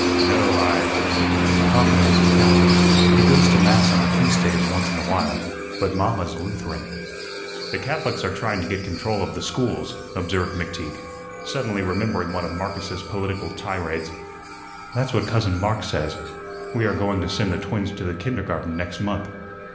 No, I " "Papa is a Catholic. He goes to Mass on the feast days once in a while. But mamma's Lutheran." "The Catholics are trying to get control of the schools," observed McTeague, suddenly remembering one of Marcus's political tirades. "That's what cousin Mark says. We are going to send the twins to the kindergarten next month."